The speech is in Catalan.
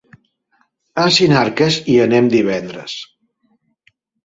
A Sinarques hi anem divendres.